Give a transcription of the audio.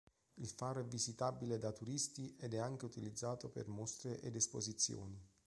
Il faro è visitabile da turisti ed è anche utilizzato per mostre ed esposizioni.